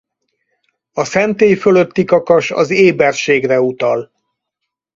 A szentély fölötti kakas az éberségre utal.